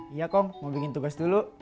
iya kong mau bikin tugas dulu